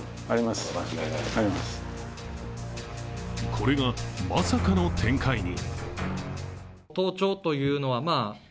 これが、まさかの展開に。